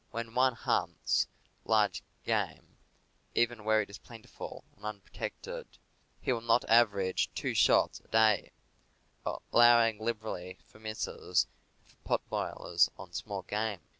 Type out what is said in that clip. When one hunts large game, even where it is plentiful and unpro tected, he will not average two shots a day, allowing liberally for misses and for pot boilers on small game.